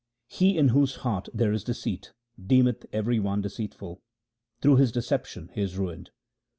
He in whose heart there is deceit deemeth every one deceitful ; through this deception he is ruined.